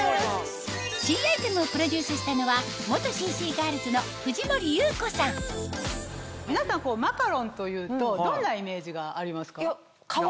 新アイテムをプロデュースしたのは皆さんマカロンというとどんなイメージがありますか？